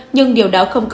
nhưng điều đó không đều